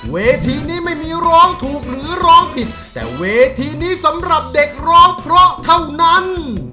เวทีนี้ไม่มีร้องถูกหรือร้องผิดแต่เวทีนี้สำหรับเด็กร้องเพราะเท่านั้น